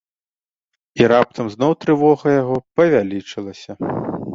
І раптам зноў трывога яго павялічылася.